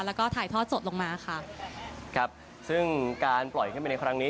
แล้วก็ถ่ายทอดสดลงมาค่ะครับซึ่งการปล่อยขึ้นไปในครั้งนี้